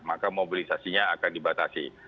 maka mobilisasinya akan dibatasi